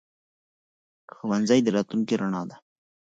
ښوونځی د راتلونکي رڼا ده.